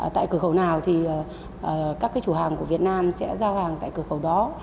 tại cửa khẩu nào thì các cái chủ hàng của việt nam sẽ giao hàng tại cửa khẩu đó